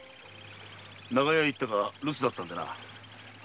長屋へ行ったが留守だったんでな。